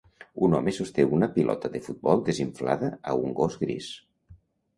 Un home sosté una pilota de futbol desinflada a un gos gris.